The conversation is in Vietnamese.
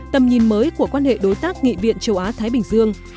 tầm nhìn mới của quan hệ đối tác nghị viện châu á thái bình dương